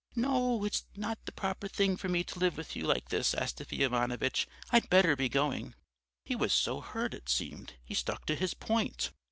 "'No, it's not the proper thing for me to live with you like this, Astafy Ivanovitch. I'd better be going.' "He was so hurt, it seemed, he stuck to his point.